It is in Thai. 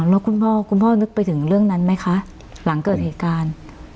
แล้วคุณพ่อคุณพ่อนึกไปถึงเรื่องนั้นไหมคะหลังเกิดเหตุการณ์